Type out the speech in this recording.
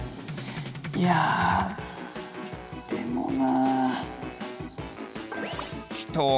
いやでもな。